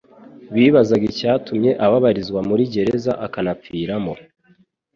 Bibazaga icyatumye ababarizwa muri gereza akanapfiramo.